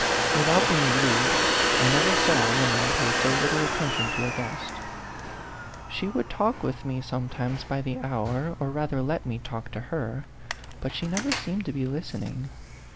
Without being rude, I never saw a woman pay so little attention to a guest ; she would talk with me sometimes by the hour, or rather let me talk to her, but she never seemed to be listening.